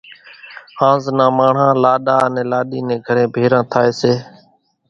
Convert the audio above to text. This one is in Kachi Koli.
هانز نان ماڻۿان لاڏا انين لاڏِي نين گھرين ڀيران ٿائيَ سي۔